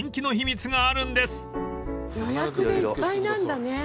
予約でいっぱいなんだね。